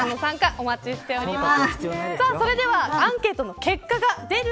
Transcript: お待ちしております。